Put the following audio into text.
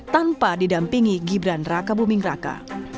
tanpa didampingi gibran raka buming raka